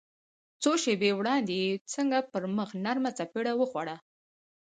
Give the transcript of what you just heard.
څو شېبې وړاندې يې څنګه پر مخ نرمه څپېړه وخوړه.